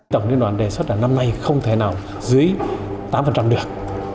tổng liên đoàn đề xuất là năm nay không thể nào dưới tám được